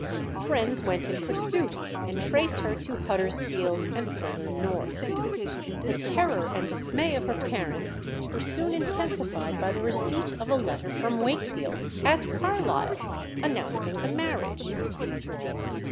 Friends went in pursuit and traced her to Huddersfield and further north. The terror and dismay of her parents were soon intensified by the receipt of a letter from Wakefield, at Carlisle, announcing the marriage.